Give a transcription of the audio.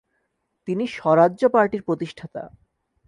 তিনি স্বরাজ্য পার্টি-র প্রতিষ্ঠাতা।